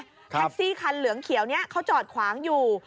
แท็กซี่คันเหลืองเขียวนี้เขาจอดขวางอยู่